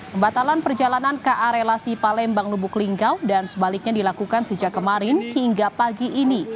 pembatalan perjalanan ka relasi palembang lubuk linggau dan sebaliknya dilakukan sejak kemarin hingga pagi ini